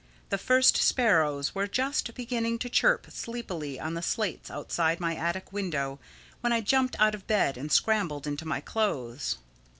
The first sparrows were just beginning to chirp sleepily on the slates outside my attic window when I jumped out of bed and scrambled into my clothes.